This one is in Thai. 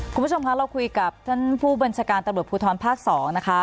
คุณผู้ชมคะเราคุยกับท่านผู้บัญชาการตำรวจภูทรภาค๒นะคะ